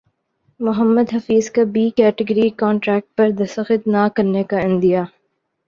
محمد حفیظ کا B category contract پر دستخط نہ کرنےکا عندیہ